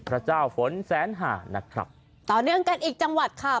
พระเจ้าฝนแสนหานะครับต่อเนื่องกันอีกจังหวัดค่ะ